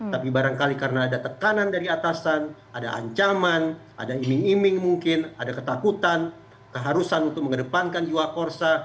tapi barangkali karena ada tekanan dari atasan ada ancaman ada iming iming mungkin ada ketakutan keharusan untuk mengedepankan jiwa korsa